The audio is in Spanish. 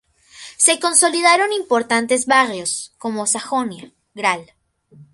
Se consolidaron importantes barrios como Sajonia, Gral.